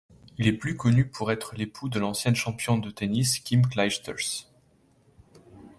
Il est plus connu pour être l'époux de l'ancienne championne de tennis Kim Clijsters.